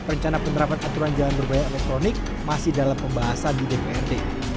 rencana penerapan aturan jalan berbahaya elektronik masih dalam pembahasan di dprd